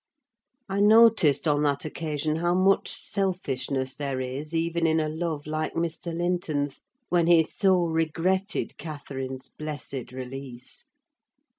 I noticed on that occasion how much selfishness there is even in a love like Mr. Linton's, when he so regretted Catherine's blessed release!